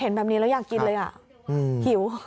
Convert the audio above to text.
เห็นแบบนี้แล้วอยากกินเลยอ่ะหิว